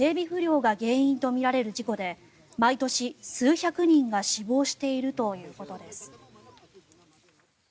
不良が原因とみられる事故で毎年、数百人が死亡しているということです。